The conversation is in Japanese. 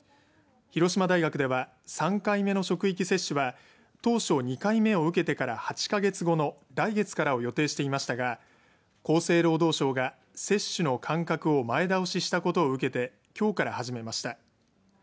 広島大学では３回目の職域接種は当初２回目を受けてから８か月後の来月からを予定していましたが厚生労働省が接種の間隔を前倒ししたことを受けてきょうから始めました。